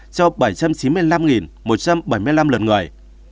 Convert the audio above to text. cho bảy trăm chín mươi năm một trăm bảy mươi năm lượt người